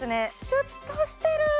シュッとしてる！